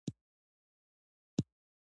وربشې له غنمو مخکې پخیږي.